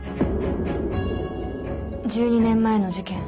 １２年前の事件